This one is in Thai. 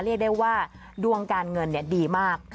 เรียกได้ว่าดวงการเงินดีมาก